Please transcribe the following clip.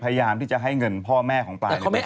พยายามที่จะให้เงินพ่อแม่ของปลายในบัญชีรถ